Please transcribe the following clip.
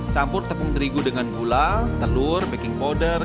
campur tepung terigu dengan gula telur baking powder